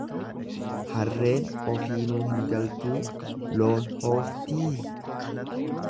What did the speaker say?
Harreen ofiinuu hin galtuu loon hooftii.